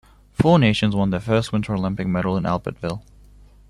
Four nations won their first Winter Olympic medal in Albertville.